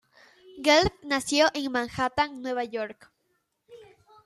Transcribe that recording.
Gelb nació en Manhattan, Nueva York.